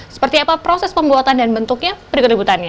seperti apa proses pembuatan dan bentuknya berikut liputannya